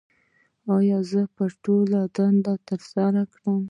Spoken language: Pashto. ایا زه به خپله دنده ترسره کړم؟